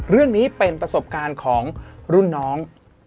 เรื่องนี้เป็นประสบการณ์ของรุ่นน้อง